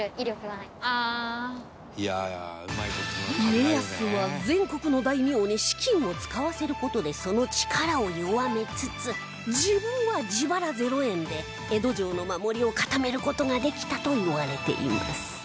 家康は全国の大名に資金を使わせる事でその力を弱めつつ自分は自腹０円で江戸城の守りを固める事ができたといわれています